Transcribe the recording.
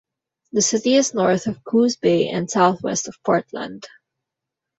The city is north of Coos Bay and southwest of Portland.